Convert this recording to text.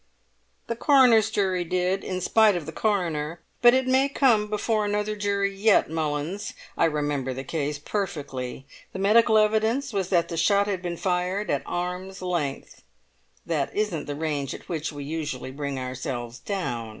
"The coroner's jury did—in spite of the coroner—but it may come before another jury yet, Mullins! I remember the case perfectly; the medical evidence was that the shot had been fired at arm's length. That isn't the range at which we usually bring ourselves down!